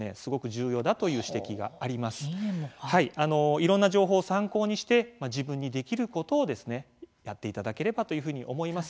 いろんな情報を参考にして自分にできることをですねやっていただければというふうに思います。